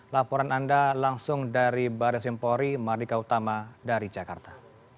laporan anda langsung dari baris empori mardika utama dari jakarta